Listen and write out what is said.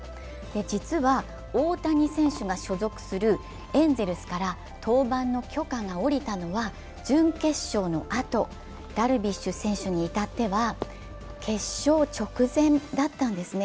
実は大谷選手が所属するエンゼルスから登板の許可が下りたのは準決勝のあと、ダルビッシュ選手に至っては決勝直前だったんですね。